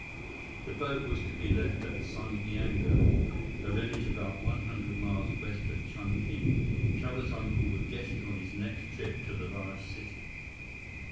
The boat was to be left at Sundhiango, a village about one hundred miles west of Chungking. Chuba's uncle would get it on his next trip to the large city.